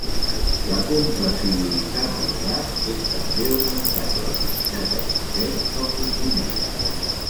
La compressibilitat del gas és també un avantatge ja que afegeix el compliment.